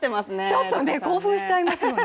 ちょっと興奮しちゃいますよね。